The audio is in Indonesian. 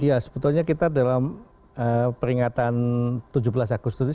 ya sebetulnya kita dalam peringatan tujuh belas agustus